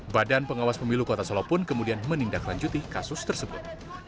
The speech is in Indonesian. badan pengawas pemilu kota solo pun kemudian menindaklanjuti kasus tersebut